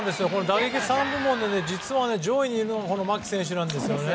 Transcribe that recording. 打撃３部門で実は上位にいるのが牧選手なんですね。